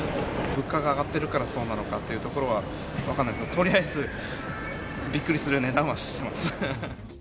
物価が上がっているからそうなのかっていうところは、分かんないけど、とりあえず、びっくりする値段はします。